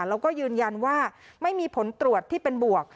แล้วก็ยืนยันว่าไม่มีผลตรวจที่เป็นบวก